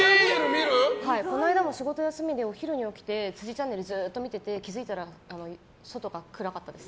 この間も仕事休みでお昼に起きて「辻ちゃんネル」ずっと見てて気づいたら外が暗かったです。